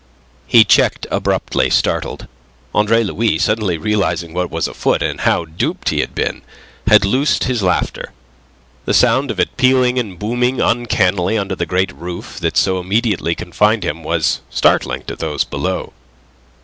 He checked abruptly, startled. Andre Louis, suddenly realizing what was afoot, and how duped he had been, had loosed his laughter. The sound of it pealing and booming uncannily under the great roof that so immediately confined him was startling to those below.